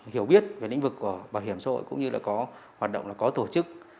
hiểu biết về lĩnh vực của bảo hiểm xã hội cũng như là có hoạt động là có tổ chức